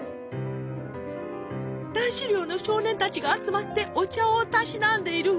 男子寮の少年たちが集まってお茶をたしなんでいるわ。